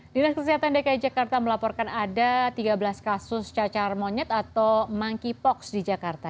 dinas kesehatan dki jakarta melaporkan ada tiga belas kasus cacar monyet atau monkeypox di jakarta